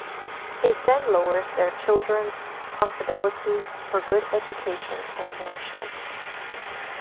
It then lowers their children's possibilities for good education and nourishment.